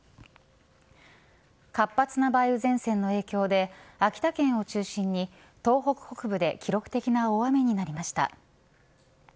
活発な梅雨前線の影響で秋田県を中心に東北北部で記録的な大雨になりました。